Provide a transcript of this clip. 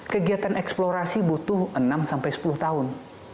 kegiatan eksplorasi butuh enam sampai sepuluh tahun